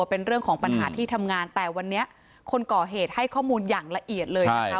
เป็นเรื่องของปัญหาที่ทำงานแต่วันนี้คนก่อเหตุให้ข้อมูลอย่างละเอียดเลยนะคะ